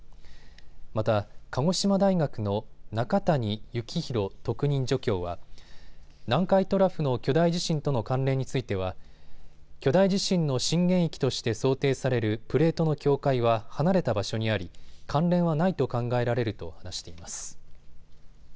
また、鹿児島大学の仲谷幸浩特任助教は南海トラフの巨大地震との関連については巨大地震の震源域として想定されるプレートの境界は離れた場所にあり関連はないと考えられると話しています。